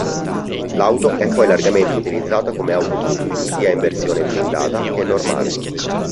L'auto è poi largamente utilizzata come auto blu, sia in versione blindata che normale.